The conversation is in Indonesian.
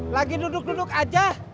lagi duduk duduk aja